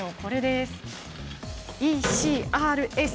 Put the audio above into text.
Ｅ・Ｃ・Ｒ・Ｓ。